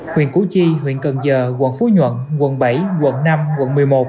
huyện củ chi huyện cần giờ quận phú nhuận quận bảy quận năm quận một mươi một